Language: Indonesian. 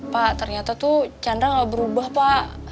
pak ternyata tuh chandra nggak berubah pak